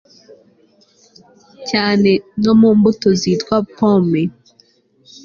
cyane no mu mbuto zitwa 'pommes'